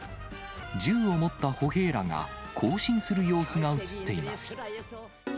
銃を持った歩兵らが、行進する様子が写っています。